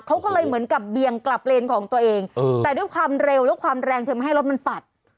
เขาก็เลยเหมือนกับเบียงกลับเลนของตัวเองแต่ด้วยความเร็วและความแรงเธอไม่ให้รถมันปัด